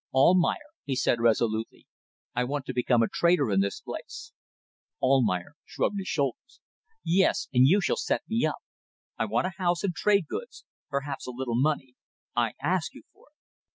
"Almayer," he said resolutely, "I want to become a trader in this place." Almayer shrugged his shoulders. "Yes. And you shall set me up. I want a house and trade goods perhaps a little money. I ask you for it."